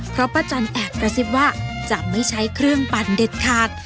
เพราะป้าจันแอบกระซิบว่าจะไม่ใช้เครื่องปั่นเด็ดขาด